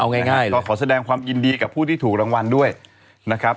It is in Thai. เอาง่ายก็ขอแสดงความยินดีกับผู้ที่ถูกรางวัลด้วยนะครับ